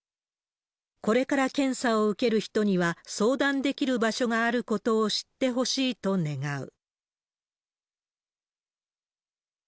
これから検査を受ける人には、相談できる場所があることを知ってほしいと願う。